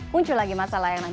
muncul lagi masalah yang nanti